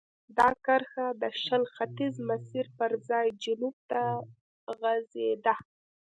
دا کرښه د شل ختیځ مسیر پر ځای جنوب ته غځېده.